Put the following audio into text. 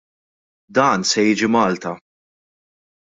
Dan se jiġi Malta!